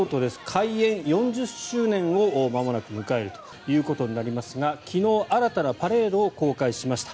開園４０周年をまもなく迎えるということになりますが昨日、新たなパレードを公開しました。